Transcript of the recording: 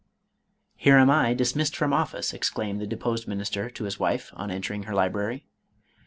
" Here am I dismissed from office," exclaimed the deposed minister to his wife on entering her library.